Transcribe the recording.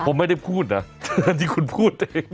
ผมไม่ได้พูดนะที่คุณพูดเอง